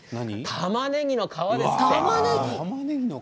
たまねぎの皮です。